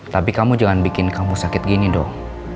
tapi kamu jangan bikin kamu sakit gini dong